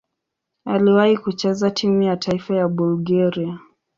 Aliwahi kucheza timu ya taifa ya Bulgaria.